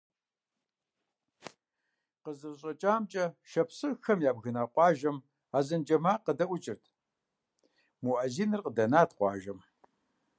КъызэрыщӀэкӀамкӀэ, шапсыгъхэм ябгына къуажэм азэн джэ макъ къыдэӀукӀырт – муӀэзиныр къыдэнат къуажэм.